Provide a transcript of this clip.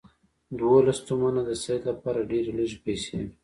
دوولس تومنه د سید لپاره ډېرې لږې پیسې وې.